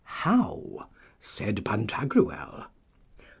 How? said Pantagruel.